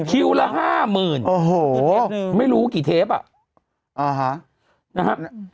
คิวละห้ามืนโอ้โหไม่รู้กี่เทปอะอ่านะฮะ